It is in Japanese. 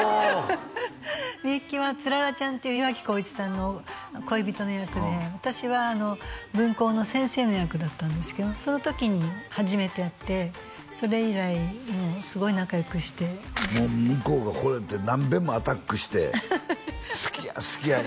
美由紀はつららちゃんっていう岩城滉一さんの恋人の役で私は分校の先生の役だったんですけどその時に初めて会ってそれ以来もうすごい仲よくしてもらってもう向こうがほれて何べんもアタックして「好きや好きや」